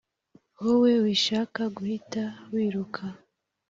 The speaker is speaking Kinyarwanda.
Wowe wishaka kuhita wiruka